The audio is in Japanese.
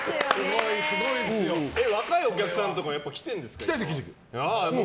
若いお客さんとか来てる、来てる。